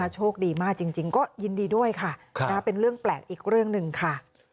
โชคดีมากจริงก็ยินดีด้วยค่ะเป็นเรื่องแปลกอีกเรื่องหนึ่งค่ะ